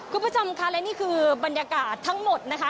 คุณผู้ชมค่ะและนี่คือบรรยากาศทั้งหมดนะคะ